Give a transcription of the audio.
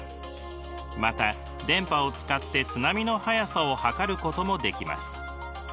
また電波を使って津波の速さを測ることもできます。